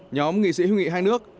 nhóm nghị sĩ hữu nghị hai nước